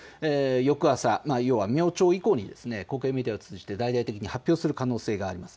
翌朝、明朝以降に国営メディアを通じて大々的に発表する可能性があります。